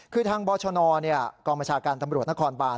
คือทางบชนกองบัญชาการตำรวจนครบาน